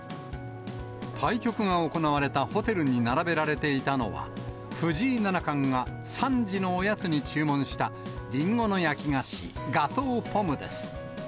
対局が行われたホテルに並べられていたのは、藤井七冠が３時のおやつに注文したリンゴの焼き菓子、ガトー・ポムです。